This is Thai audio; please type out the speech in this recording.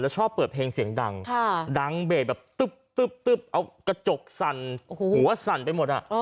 ชอบเปิดเพลงเสียงดังดังเบสแบบตึ๊บเอากระจกสั่นหัวสั่นไปหมด